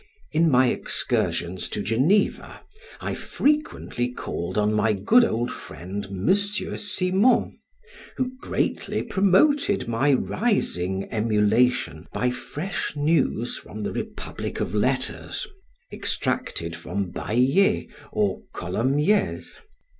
In my excursions to Geneva, I frequently called on my good old friend Monsieur Simon, who greatly promoted my rising emulation by fresh news from the republic of letters, extracted from Baillet or Colomies.